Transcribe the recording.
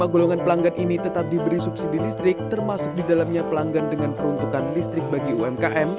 dua golongan pelanggan ini tetap diberi subsidi listrik termasuk di dalamnya pelanggan dengan peruntukan listrik bagi umkm